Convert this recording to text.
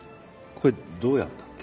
これどうやるんだっけ？